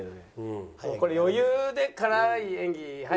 これ余裕で辛い演技入る。